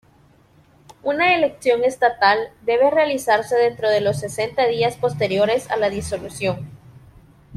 Una elección estatal debe realizarse dentro de los sesenta días posteriores a la disolución.